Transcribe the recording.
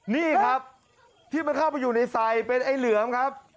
นี่ครับที่มันเข้าไปอยู่ในไซดเป็นไอ้เหลือมครับ